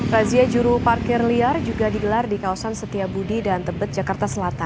razia juru parkir liar juga digelar di kawasan setiabudi dan tebet jakarta selatan